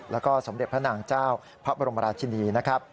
แล้วก็สมเด็จพระนางเจ้าพระบรมราชินีนะครับ